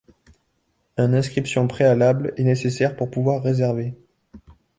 Un inscription préalable est nécessaire pour pouvoir réserver.